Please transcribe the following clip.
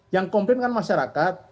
yang komplain kan masyarakat